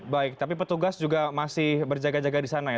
baik tapi petugas juga masih berjaga jaga di sana ya